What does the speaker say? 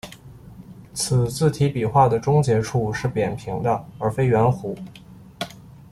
此字体笔画的终结处是扁平的而非圆弧。